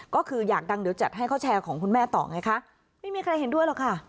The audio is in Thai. ก็คืออยากดังเดี๋ยวจัดให้เขาแชร์ของคุณแม่ต่อไงคะไม่มีใครเห็นด้วยหรอกค่ะ